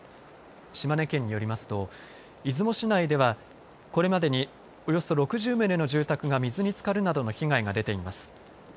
島根県によりますと出雲市内ではこれまでにおよそ６０棟の住宅が水につかるなどの被害が出ています。